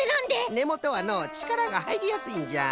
ねもとはのうちからがはいりやすいんじゃ。